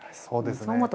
そうですね。